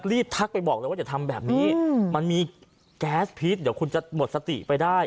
ทักไปบอกเลยว่าอย่าทำแบบนี้มันมีแก๊สพีดเดี๋ยวคุณจะหมดสติไปได้